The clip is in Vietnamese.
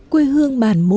quê hương bản môn